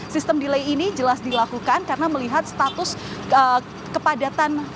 sistem delay ini jelas dilakukan karena melihat status kepadatan